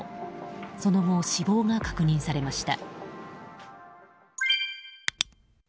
その後、死亡が確認されました。